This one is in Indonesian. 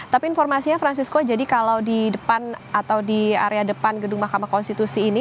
tapi informasinya francisco jadi kalau di depan atau di area depan gedung mahkamah konstitusi ini